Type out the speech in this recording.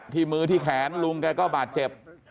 ที่มือที่แขนลุงแกก็บาดเจ็บ